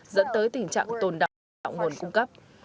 dẫn tới tình trạng tồn đọng nguồn cung cấp